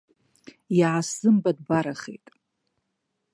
Иаасзымбатәбарахеит.